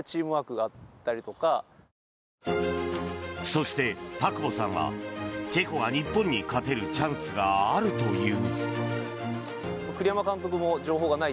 そして、田久保さんはチェコが日本に勝てるチャンスがあるという。